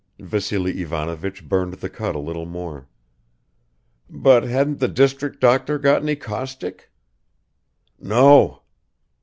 Vassily Ivanovich burned the cut a little more. "But hadn't the district doctor got any caustic?" "No."